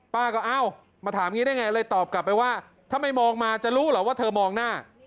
ป้าก็เอ้ามาถามอย่างนี้ได้ไงเลยตอบกลับไปว่าทำไมมองมาจะรู้เหรอว่าเธอมองหน้า